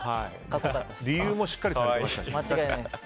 理由もしっかりつけてましたし。